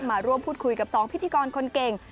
มาร่วมพูดคุยกับ๒พิธีกรคนเก่ง